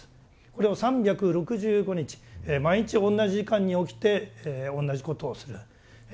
これを３６５日毎日同じ時間に起きて同じことをする。